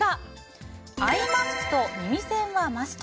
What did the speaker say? アイマスクと耳栓はマスト。